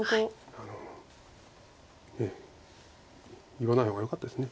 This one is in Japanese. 言わない方がよかったです。